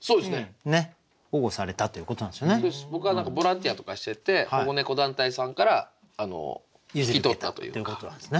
僕が何かボランティアとかしてて保護猫団体さんから引き取ったというか。